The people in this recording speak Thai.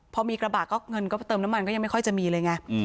พอมีกระบะก็เงินก็ไปเติมน้ำมันก็ยังไม่ค่อยจะมีเลยไง